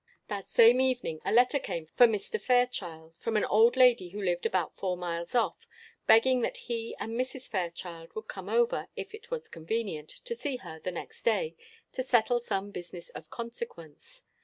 That same evening a letter came for Mr. Fairchild, from an old lady who lived about four miles off, begging that he and Mrs. Fairchild would come over, if it was convenient, to see her the next day to settle some business of consequence.